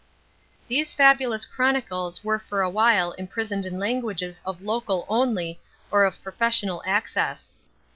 These fabulous chronicles were for a while imprisoned in languages of local only or of professional access.